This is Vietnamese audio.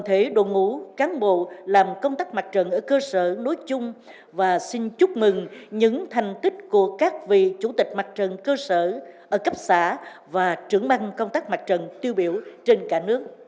các đồng ngũ cán bộ làm công tác mặt trận ở cơ sở nói chung và xin chúc mừng những thành tích của các vị chủ tịch mặt trận cơ sở ở cấp xã và trưởng bang công tác mặt trận tiêu biểu trên cả nước